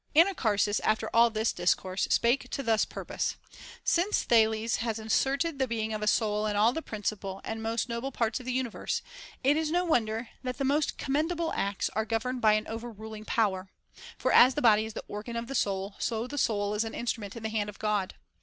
Anacharsis after all this discourse spake to this purpose : Since Thales has asserted the being of a soul in all the principal and most noble parts of the universe, it is no wonder that the most commendable acts are governed by an over ruling Power ; for, as the body is the organ of the soul, so the soul is an instrument in the hand of God.